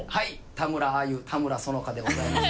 田村有優田村苑香でございます。